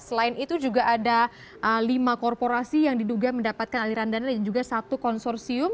selain itu juga ada lima korporasi yang diduga mendapatkan aliran dana dan juga satu konsorsium